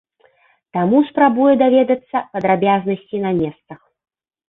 Таму спрабую даведацца падрабязнасці на месцах.